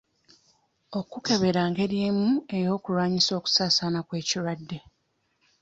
Okukebera ngeri emu ey'okulwanyisa okusaasaana kw'ekirwadde.